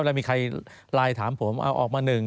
แล้วมีใครไลน์ถามผมเอาออกมา๑